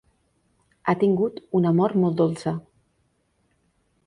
Ha tingut una mort molt dolça.